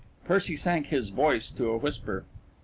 Percy sank his voice to a whisper.